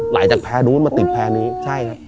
ไหลจากแพ้นู้นมาติดแพร่นี้ใช่ครับ